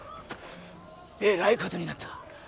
えらいことになった。